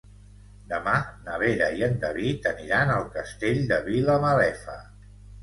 Demà na Vera i en David aniran al Castell de Vilamalefa.